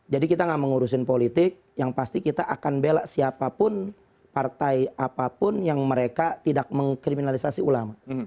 jadi kita nggak mengurusin politik yang pasti kita akan bela siapapun partai apapun yang mereka tidak mengkriminalisasi ulama